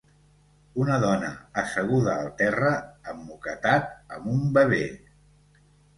Una dona asseguda al terra emmoquetat amb un bebè.